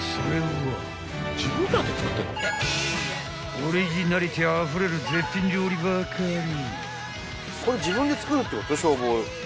［オリジナリティーあふれる絶品料理ばかり］